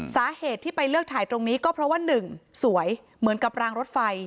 สาเหตุที่ไปเลือกถ่ายตรงนี้ก็เพราะว่าหนึ่งสวยเหมือนกับรางรถไฟ